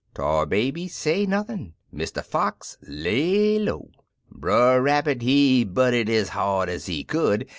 Tar Baby say nothin' — Mr. Fox lay low. Brer Rabbit, he butted ez hard ez he could.